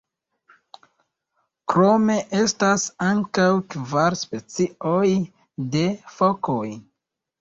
Krome estas ankaŭ kvar specioj de fokoj.